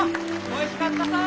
おいしかったさぁ。